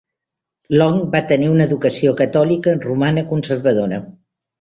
Long va tenir una educació catòlica romana conservadora.